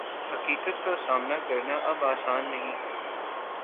حقیقت کا سامنا کرنا اب آسان نہیں